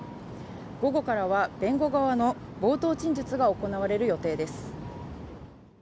午後からは弁護側の冒頭陳述が行われる予定です。